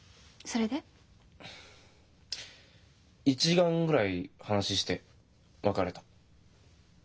１時間ぐらい話して別れた。